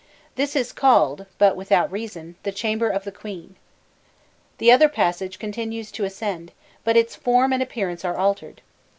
This is called, but without reason, the "Chamber of the Queen." The other passage continues to ascend, but its form and appearance are altered.